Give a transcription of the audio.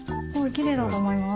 きれいだと思います？